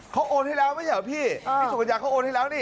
เขาโอนให้แล้วไม่ใช่เหรอพี่พี่สุปัญญาเขาโอนให้แล้วนี่